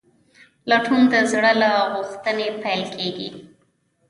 لټون د زړه له غوښتنې پیل کېږي.